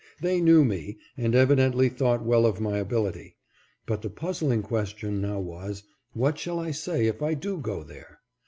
They knew me, and evidently thought well of my ability. But the puz zling question now was, what shall I say if I do go there